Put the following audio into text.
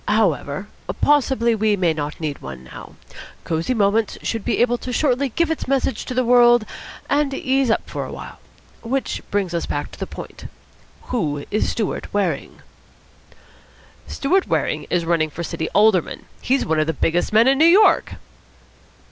However, possibly we may not need one now. Cosy Moments should be able shortly to give its message to the world and ease up for a while. Which brings us back to the point. Who is Stewart Waring?" "Stewart Waring is running for City Alderman. He's one of the biggest men in New York!"